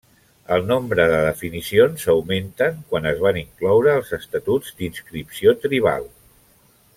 El nombre de definicions augmenten quan es van incloure els estatuts d'inscripció tribal.